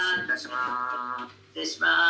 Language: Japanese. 「失礼します」。